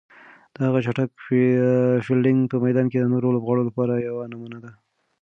د هغه چټک فیلډینګ په میدان کې د نورو لوبغاړو لپاره یوه نمونه ده.